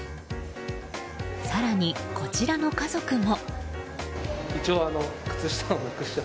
更に、こちらの家族も。